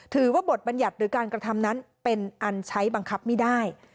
ถือว่าบทบัญญัติหรือการกระทำนั้นเป็นอันใช้บังคับไม่ได้